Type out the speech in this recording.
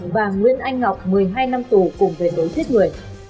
và nguyễn anh ngọc một mươi hai năm tù cùng về đối thiết người